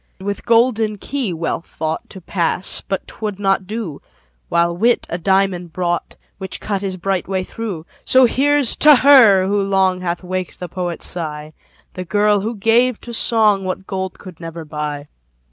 With golden key Wealth thought To pass but 'twould not do: While Wit a diamond brought, Which cut his bright way through. So here's to her, who long Hath waked the poet's sigh, The girl, who gave to song What gold could never buy.